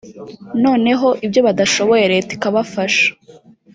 noneho ibyo badashoboye leta ikabafasha